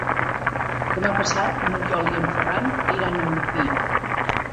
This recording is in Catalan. Demà passat n'Oriol i en Ferran iran a Orpí.